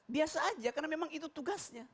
biasa aja karena memang itu tugasnya